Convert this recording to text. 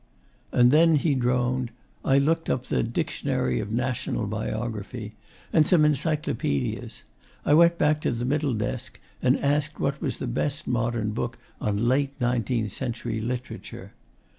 'And then,' he droned, 'I looked up the "Dictionary of National Biography" and some encyclopedias.... I went back to the middle desk and asked what was the best modern book on late nineteenth century literature.